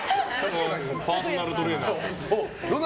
パーソナルトレーナーみたいな。